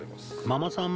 「ママさん